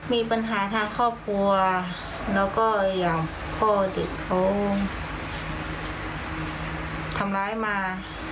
มีปัญหาทางครอบครัวแล้วก็อย่างพ่อเด็กเขาทำร้ายมา